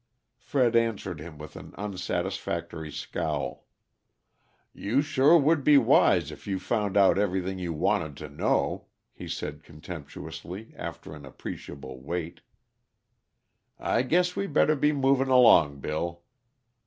Fred answered him with an unsatisfactory scowl. "You sure would be wise, if you found out everything you wanted to know," he said contemptuously, after an appreciable Wait. "I guess we better be moving along, Bill."